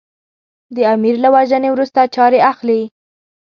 د امیر له وژنې وروسته چارې اخلي.